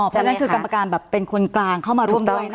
ใช่ไหมค่ะคือกรรมการแบบเป็นคนกลางเข้ามาร่วมด้วยค่ะ